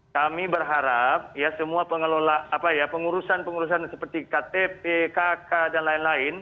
kami berharap ya semua pengelola apa ya pengurusan pengurusan seperti ktp kk dan lain lain